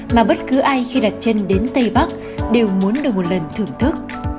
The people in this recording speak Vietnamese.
mà bất cứ ai khi đặt chân đến tây bắc đều muốn được một lần thưởng thức